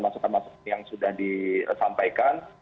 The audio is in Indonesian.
masukan masukan yang sudah disampaikan